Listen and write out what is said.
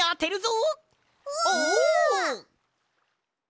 お！